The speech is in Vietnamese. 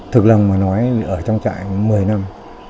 thực lòng mà nói ở trong trại một mươi năm